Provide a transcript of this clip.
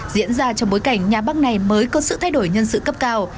diễn ra trong bối cảnh nhà bắc này mới có sự thay đổi nhân sự cấp cao